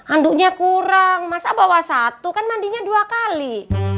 anduknya kurang masa bawa satu kan mandinya dua kali